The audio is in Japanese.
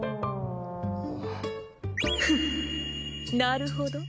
フッなるほど